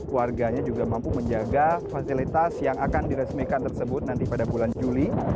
warganya juga mampu menjaga fasilitas yang akan diresmikan tersebut nanti pada bulan juli